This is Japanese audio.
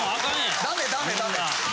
ダメダメダメ。